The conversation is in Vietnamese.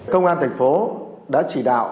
công an tp đã chỉ đạo